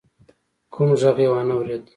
کوم غږ يې وانه ورېد.